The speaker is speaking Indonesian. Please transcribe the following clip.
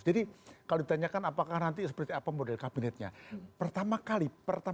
jadi kalau ditanyakan apakah nanti seperti apa model kabinetnya